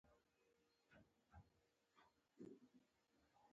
هغوی له خپل کلي څخه د کابل ښار ته راغلل